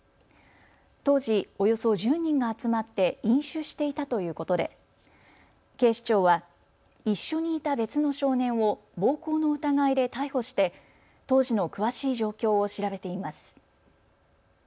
当時、およそ１０人が集まって飲酒していたということで警視庁は一緒にいた別の少年を暴行の疑いで逮捕して当時の詳しい状況を調べています。